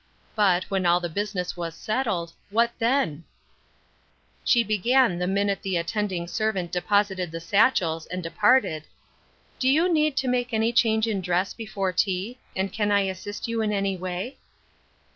But, when all the business was settled, what then ? She began the minute the attending servant deposited the satchels, and departed : "Do you need to make any change in dress before tea, and can I assist you in any way